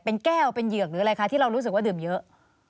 เป็นแก้วเป็นเหยือกหรืออะไรคะที่เรารู้สึกว่าดื่มเยอะ